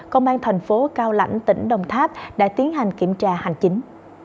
công an thành phố cao lãnh tỉnh đồng tháp đã tiến hành kiểm tra hành chính